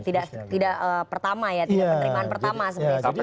tidak pertama ya tidak penerimaan pertama sebenarnya